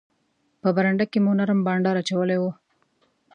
په برنډه کې مو نرم بانډار اچولی وو.